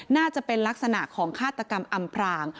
น่าจะเป็นลักษณะของฆาตกรรมอำพราง